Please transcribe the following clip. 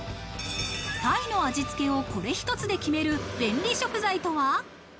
タイの味つけをこれ一つで決める便利食材とは？